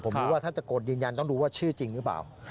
ผมรู้ว่าถ้าตะโกนยืนยันต้องดูว่าชื่อจริงหรือเปล่า